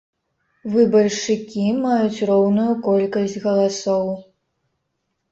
Выбаршчыкі маюць роўную колькасць галасоў.